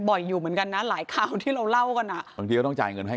อยู่เหมือนกันนะหลายข่าวที่เราเล่ากันอ่ะบางทีก็ต้องจ่ายเงินให้